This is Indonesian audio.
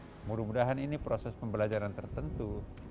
nah kita berharap mudah mudahan ini proses pembelajaran tertentu